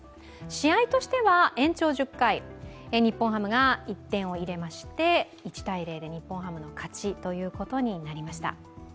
試合としては延長１０回、日本ハムが１点を入れまして１−０で日本ハムの勝ちということになりました。